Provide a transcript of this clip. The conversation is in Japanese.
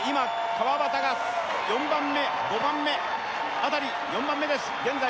川端が４番目５番目辺り４番目です現在